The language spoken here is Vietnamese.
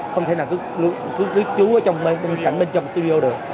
không thể nào cứ chú ở trong cạnh bên trong studio được